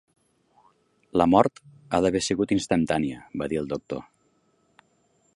"La mort ha d'haver sigut instantània", va dir el doctor.